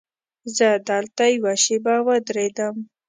زه دلته یوه شېبه ودرېدم.